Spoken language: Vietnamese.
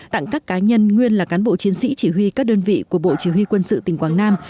tặng các cá nhân nguyên là cán bộ chiến sĩ chỉ huy các đơn vị của bộ chỉ huy quân sự tỉnh quảng nam